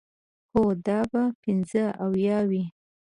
هو، دا به پنځه اویا وي.